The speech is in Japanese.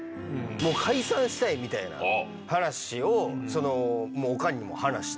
もう解散したいみたいな話を、おかんにも話して。